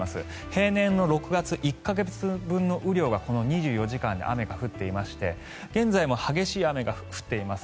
平年の６月１か月分の雨量がこの２４時間で雨が降っていまして現在も激しい雨が降っています。